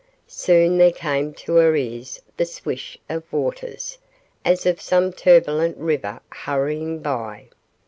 Soon there came to her ears the swish of waters, as of some turbulent river hurrying by.